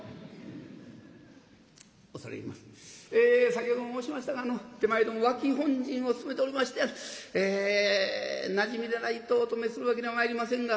先ほども申しましたがあの手前ども脇本陣を務めておりましてえなじみでないとお泊めするわけにはまいりませんが」。